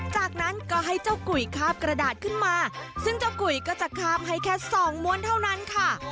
จากนั้นก็ให้เจ้ากุยคาบกระดาษขึ้นมาซึ่งเจ้ากุยก็จะคาบให้แค่สองม้วนเท่านั้นค่ะ